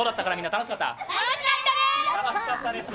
楽しかったです！